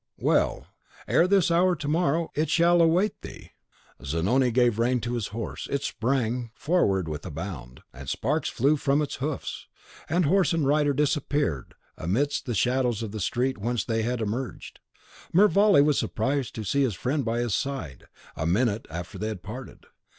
Well; ere this hour to morrow it shall await thee." Zanoni gave the rein to his horse; it sprang forward with a bound: the sparks flew from its hoofs, and horse and rider disappeared amidst the shadows of the street whence they had emerged. Mervale was surprised to see his friend by his side, a minute after they had parted.